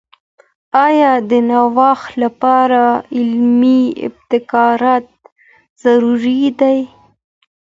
آیا د نوښت لپاره علمي ابتکارات ضروري دي؟